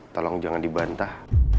tolong jangan dibantah